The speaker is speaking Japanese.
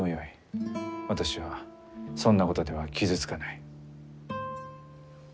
私はそんなことでは傷つかない。